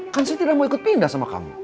kan saya tidak mau ikut pindah sama kamu